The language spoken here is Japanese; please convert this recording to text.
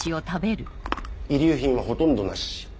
遺留品はほとんどなし。